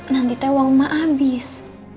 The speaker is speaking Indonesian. nanti teh uang emak abis